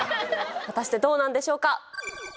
果たしてどうなんでしょうか？